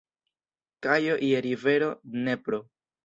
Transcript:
Kajo je rivero Dnepro.